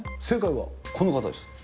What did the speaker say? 正解はこの方です。